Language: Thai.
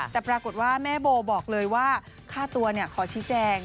แต่ปรากฏว่าแม่โบบอกเลยว่าค่าตัวขอชี้แจง